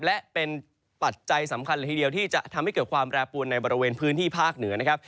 และเป็นปัจจัยสำคัญเลยทีเดียวที่จะทำให้เกิดความแปรปวนในบริเวณพื้นที่ภาคเหนือนะครับ